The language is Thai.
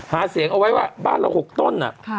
หาเสียงเอาไว้ว่าบ้านเรา๖ต้น